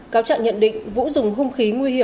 cáo trạng nhận định vũ dùng hung khí nguy hiểm